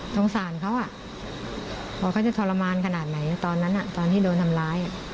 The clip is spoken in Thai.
สงสารเขาว่าเขาจะทรมานขนาดไหนตอนนั้นตอนที่โดนทำร้าย